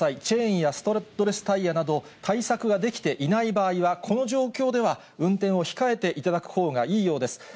チェーンやスタッドレスタイヤなど、対策ができていない場合は、この状況では、運転を控えていただくほうがいいようです。